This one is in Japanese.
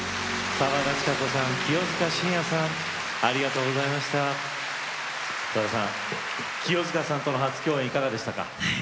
澤田さん清塚さんとの初共演いかがでしたか？